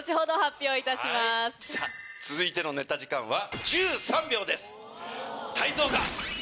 続いてのネタ時間は。